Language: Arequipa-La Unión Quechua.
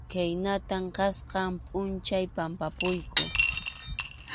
Khaynatam kasqan pʼunchaw pʼampapuyku.